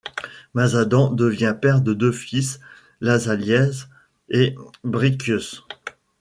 Mazadan devient père de deux fils, Lazaliez et Brickus.